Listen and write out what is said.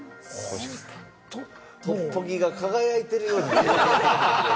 トッポギが輝いてるように見える。